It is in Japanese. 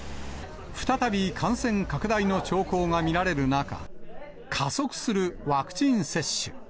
再び感染拡大の兆候が見られる中、加速するワクチン接種。